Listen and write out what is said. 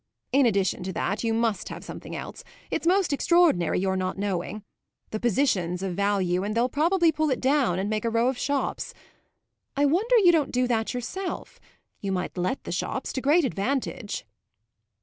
In addition to that you must have something else; it's most extraordinary your not knowing. The position's of value, and they'll probably pull it down and make a row of shops. I wonder you don't do that yourself; you might let the shops to great advantage."